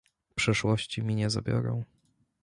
"Przeszłości mi nie zabiorą."